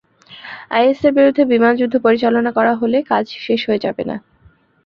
আইএসের বিরুদ্ধে বিমান যুদ্ধ পরিচালনা করা হলে কাজ শেষ হয়ে যাবে না।